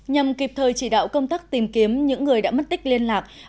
nhằm kịp thời chỉ đạo công tác tìm kiếm những người đã mất tích liên lạc